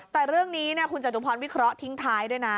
แต่เรื่องนี้คุณจตุพรวิเคราะห์ทิ้งท้ายด้วยนะ